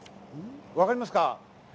わかりますか？